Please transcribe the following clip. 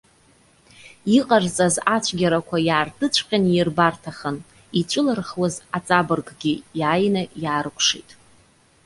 Иҟарҵаз ацәгьарақәа иаартыҵәҟьаны ирбарҭахан, иҵәылырхуаз аҵабырггьы иааины иаарыкәшеит.